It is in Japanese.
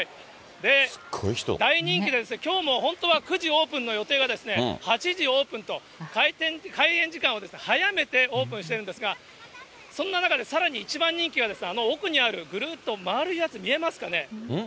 大人気で、きょうも本当は９時オープンの予定が、８時オープンと、開園時間を早めてオープンしてるんですが、そんな中でさらに一番人気はあの奥にある、ぐるっと丸いやつ、見えますかね。